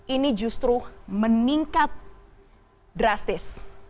ini justru meningkat drastis